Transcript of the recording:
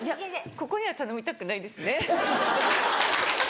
ここには頼みたくないですね。